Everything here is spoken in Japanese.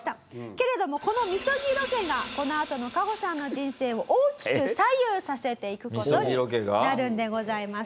けれどもこの禊ロケがこのあとのカホさんの人生を大きく左右させていく事になるんでございます。